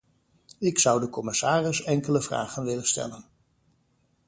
Ik zou de commissaris enkele vragen willen stellen.